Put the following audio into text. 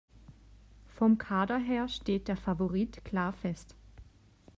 Vom Kader her steht der Favorit klar fest.